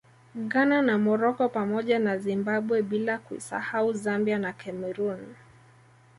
Ghana na Morocco pamoja na Zimbabwe bila kuisahau Zambia na Cameroon